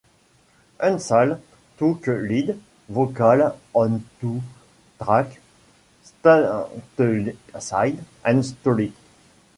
Hunt Sales took lead vocals on two tracks: "Stateside" and "Sorry".